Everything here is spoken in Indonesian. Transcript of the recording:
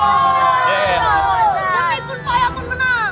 betul tidak teman teman